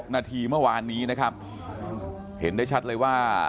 นาทีเมื่อวานนี้นะครับเห็นได้ชัดเลยว่า